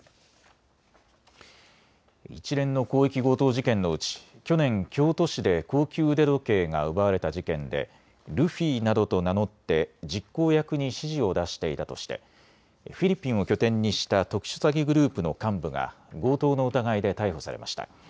一連の広域強盗事件のうち去年、京都市で高級腕時計が奪われた事件でルフィなどと名乗って実行役に指示を出していたとしてフィリピンを拠点にした特殊詐欺グループの幹部が強盗の疑いで逮捕されました。